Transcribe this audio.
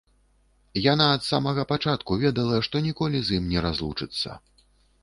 Яна ад самага пачатку ведала, што ніколі з ім не разлучыцца.